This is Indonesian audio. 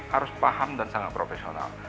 harus paham dan sangat profesional